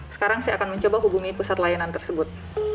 sekarang saya akan mencoba hubungi pusat layanan tersebut